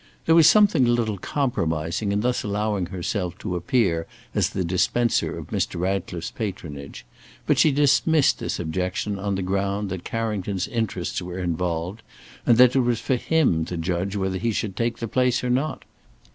There was something a little compromising in thus allowing herself to appear as the dispenser of Mr. Ratcliffe's patronage, but she dismissed this objection on the ground that Carrington's interests were involved, and that it was for him to judge whether he should take the place or not.